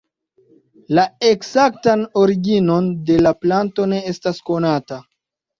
La ekzaktan originon de la planto ne estas konata.